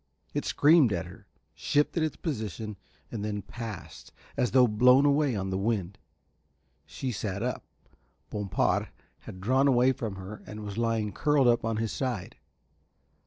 It screamed at her, shifted its position, and then passed, as though blown away on the wind. She sat up. Bompard had drawn away from her and was lying curled up on his side.